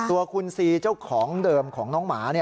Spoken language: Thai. ตัวคุณซีเจ้าของเดิมของน้องหมา